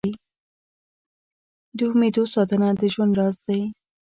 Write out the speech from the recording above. د امېدو ساتنه د ژوند راز دی.